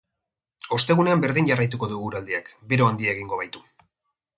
Ostegunean berdin jarraituko du eguraldiak, bero handia egingo baitu.